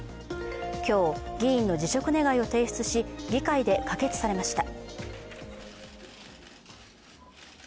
今日、議員の辞職願を提出し議会で可決されました。